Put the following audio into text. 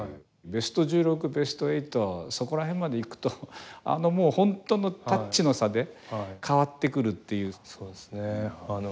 ベスト１６、ベスト８そこら辺まで行くと本当のタッチの差で変わってくるっていう。